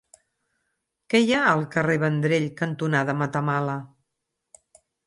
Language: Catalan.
Què hi ha al carrer Vendrell cantonada Matamala?